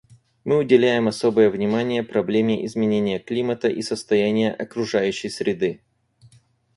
Мы уделяем особое внимание проблеме изменения климата и состояния окружающей среды.